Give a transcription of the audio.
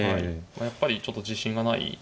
やっぱりちょっと自信がないというか。